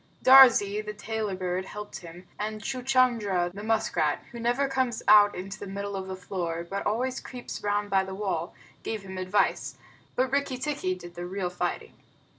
Darzee, the Tailorbird, helped him, and Chuchundra, the musk rat, who never comes out into the middle of the floor, but always creeps round by the wall, gave him advice, but Rikki tikki did the real fighting.